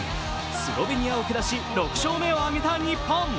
スロベニアを下し６勝目を挙げた日本。